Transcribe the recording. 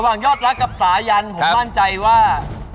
ยอดรักกับสายันผมมั่นใจว่า